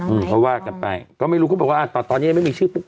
อืออว่าจับไปก็ไม่รู้พูดว่าตอนนี้ไม่มีชื่อพลุก